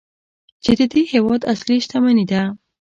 چې د دې هیواد اصلي شتمني ده.